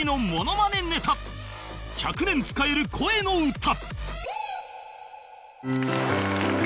「１００年使える声の歌」